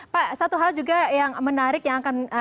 pak satu hal juga yang menarik yang akan